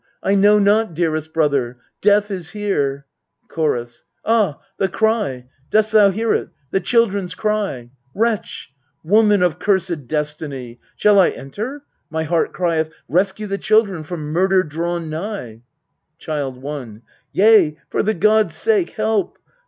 I know not, dearest brother. Death is here ! Chorus. Ah, the cry ! dost thou hear it ? the chil dren's cry ! Wretch ! woman of cursed destiny ! Shall I enter? My heart crieth, "Rescue the children from murder drawn nigh !" Child i. Yea, for the gods' sake, help